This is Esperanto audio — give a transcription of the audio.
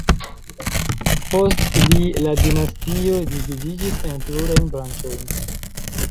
Post li la dinastio dividiĝis en plurajn branĉojn.